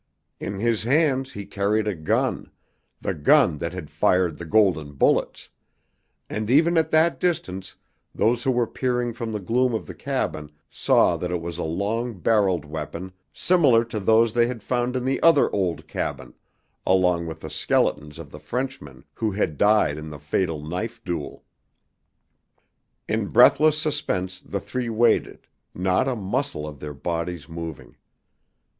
In his hands he carried a gun the gun that had fired the golden bullets and even at that distance those who were peering from the gloom of the cabin saw that it was a long barreled weapon similar to those they had found in the other old cabin, along with the skeletons of the Frenchmen who had died in the fatal knife duel. In breathless suspense the three waited, not a muscle of their bodies moving.